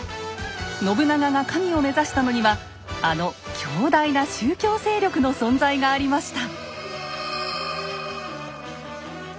信長が神を目指したのにはあの強大な宗教勢力の存在がありました。